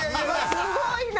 すごいな！